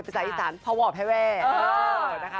ภาษาอีกภาษาภาวะแพ้แว่